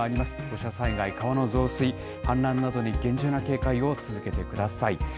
土砂災害、川の増水、氾濫などに厳重な警戒を続けてください。